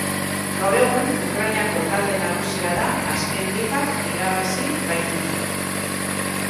Gaur egun Ukrainako talde nagusia da azken ligak irabazi baititu.